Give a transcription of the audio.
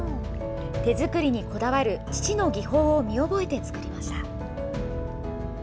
手作りにこだわる父の技法を見覚えて作りました。